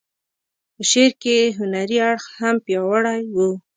په شعر کې یې هنري اړخ هم پیاوړی و.